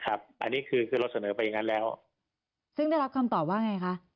อันนี้คือคือเราเสนอไปอย่างนั้นแล้วซึ่งได้รับคำตอบว่าไงคะ